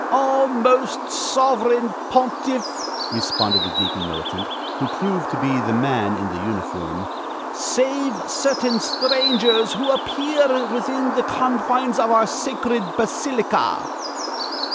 "All, Most Sovereign Pontiff," responded the Deacon Militant, who proved to be the man in the uniform, "save certain strangers who appear within the confines of our sacred basilica."